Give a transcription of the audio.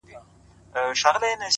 که هر څو خلګ ږغېږي چي بدرنګ یم!!